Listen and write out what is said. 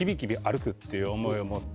っていう思いを持って。